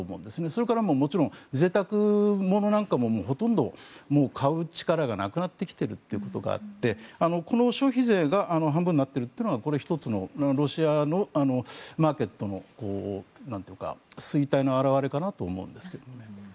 それからもちろん贅沢物なんかもほとんど買う力がなくなってきているということがあってこの消費税が半分になっているのは１つのロシアのマーケットの衰退の表れかなと思うんですけどね。